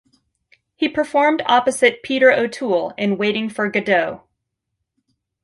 He performed opposite Peter O'Toole in "Waiting for Godot".